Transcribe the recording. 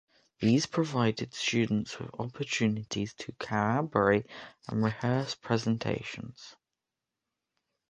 These provide students with opportunities to collaborate and rehearse presentations.